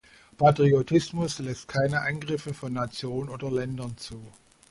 Patriotismus lässt keine Angriffe von Nationen oder Ländern zu.